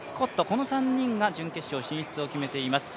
この３人が準決勝進出を決めています。